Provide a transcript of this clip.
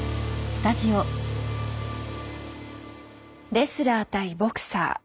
レスラー対ボクサー。